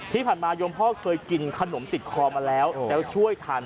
โยมพ่อเคยกินขนมติดคอมาแล้วแล้วช่วยทัน